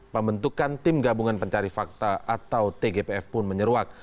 pembentukan tim gabungan pencari fakta atau tgpf pun menyeruak